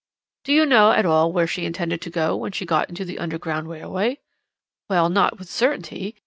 "'Do you know at all where she intended to go when she got into the Underground Railway?' "'Well, not with certainty.